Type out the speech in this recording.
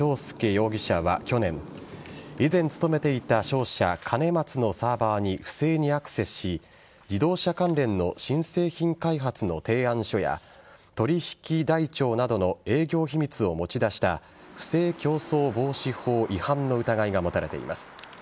容疑者は去年以前勤めていた商社兼松のサーバーに不正にアクセスし自動車関連の新製品開発の提案書や取引台帳などの営業秘密を持ち出した不正競争防止法違反の疑いが持たれています。